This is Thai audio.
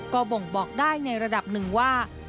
ก็บ่งบอกได้ในระดับหนึ่งว่า